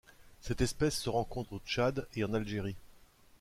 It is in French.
Cette espèce se rencontre au Tchad et en Algérie.